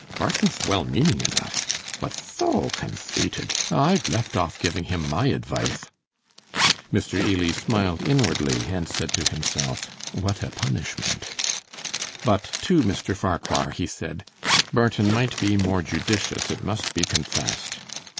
Barton'th well meaning enough, but tho contheited. I've left off giving him my advithe.' Mr. Ely smiled inwardly and said to himself, 'What a punishment!' But to Mr. Farquhar he said, 'Barton might be more judicious, it must be confessed.